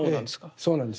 そうなんです。